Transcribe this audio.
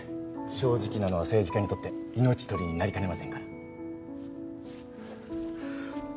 正直なのは政治家にとって命取りになりかねませんから。